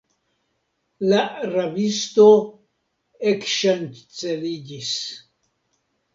La rabisto ekŝanceliĝis.